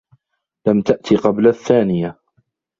لم تأت قبل الثانية.